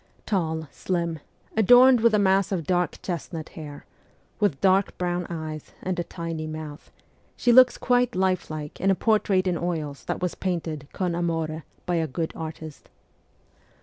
Tall, slim, adorned with a mass of dark chestnut hair, with dark brown eyes and a tiny mouth, she looks quite lifelike in a portrait in oils that was painted con amore by a good artist.